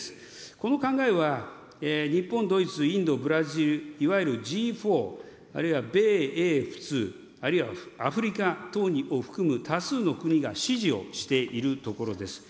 この考えは日本、ドイツ、インド、ブラジル、いわゆるＧ４、あるいは米英仏、あるいはアフリカ等を含む多数の国が支持をしているところです。